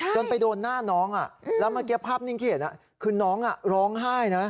จนไปโดนหน้าน้องแล้วเมื่อกี้ภาพนิ่งที่เห็นคือน้องร้องไห้นะ